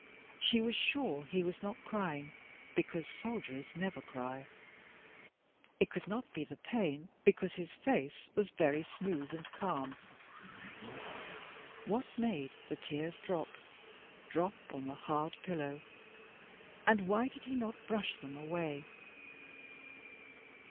She was sure he was not crying, because soldiers never cry; it could not be the pain, because his face was very smooth and calm. What made the tears drop, drop on the hard pillow, and why did he not brush them away?